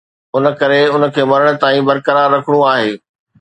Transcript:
ان ڪري ان کي مرڻ تائين برقرار رکڻو آهي